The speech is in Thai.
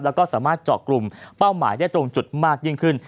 แล้วก็สามารถเจาะกลุ่มเป้าหมายได้ตรงจุดมากยิ่งขึ้น